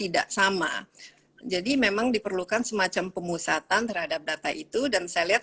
tidak sama jadi memang diperlukan semacam pemusatan terhadap data itu dan saya lihat